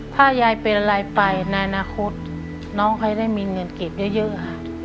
ถ้ายายเป็นอะไรไปในอนาคตน้องเขาได้มีเงินเก็บเยอะค่ะ